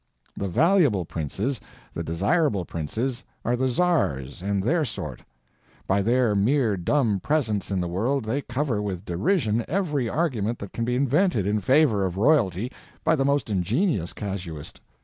The valuable princes, the desirable princes, are the czars and their sort. By their mere dumb presence in the world they cover with derision every argument that can be invented in favor of royalty by the most ingenious casuist.